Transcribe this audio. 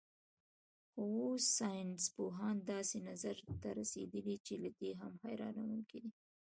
خو اوس ساینسپوهان داسې نظر ته رسېدلي چې له دې هم حیرانوونکی دی.